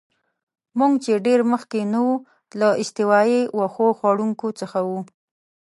موږ چې ډېر مخکې نه یو، له استوایي وښو خوړونکو څخه وو.